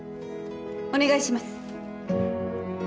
お願いします。